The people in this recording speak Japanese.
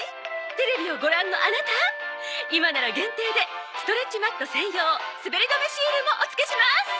「テレビをご覧のアナタ今なら限定でストレッチマット専用すべり止めシールもお付けします！」